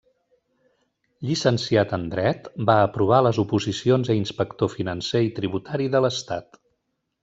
Llicenciat en Dret, va aprovar les oposicions a inspector financer i tributari de l'Estat.